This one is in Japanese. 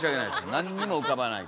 何にも浮かばない。